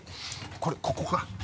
これここか。